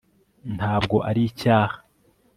ntabwo ari icyaha